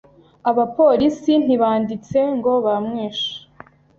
Abapolisi ntibanditse ngo bamwishe